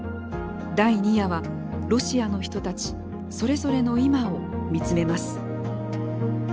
第２夜はロシアの人たちそれぞれの今を見つめます。